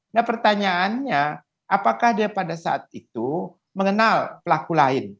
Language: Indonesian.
nah pertanyaannya apakah dia pada saat itu mengenal pelaku lain